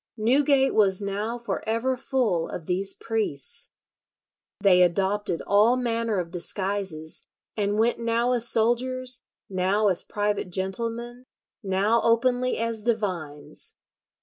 Newgate was now for ever full of these priests. They adopted all manner of disguises, and went now as soldiers, now as private gentlemen, now openly as divines.